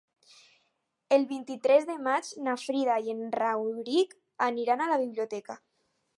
El vint-i-tres de maig na Frida i en Rauric aniran a la biblioteca.